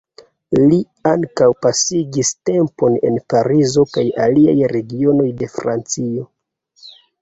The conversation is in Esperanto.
Li ankaŭ pasigis tempon en Parizo kaj aliaj regionoj de Francio.